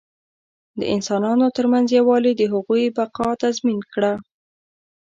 د انسانانو تر منځ یووالي د هغوی بقا تضمین کړه.